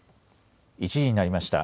１時になりました。